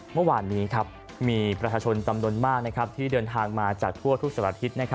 เมื่อวานนี้ครับมีประชลตำนวนมากที่เดินมาจากทั่วทุกสัตว์อาทิตย์